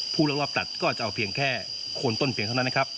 ผู้ลักลอบตัดก็จะเอาเพียงแค่โคนต้นเพียงเท่านั้น